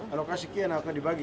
alokasi kian alokasi dibagi